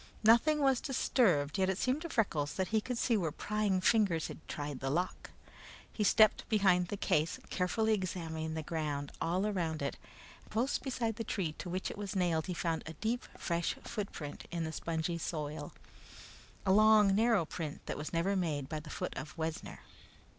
Nothing was disturbed, yet it seemed to Freckles that he could see where prying fingers had tried the lock. He stepped behind the case, carefully examining the ground all around it, and close beside the tree to which it was nailed he found a deep, fresh footprint in the spongy soil a long, narrow print, that was never made by the foot of Wessner.